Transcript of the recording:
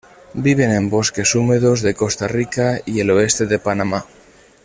Viven en bosques húmedos de Costa Rica y el oeste de Panamá.